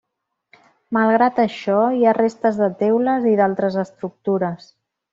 Malgrat això, hi ha restes de teules i d'altres estructures.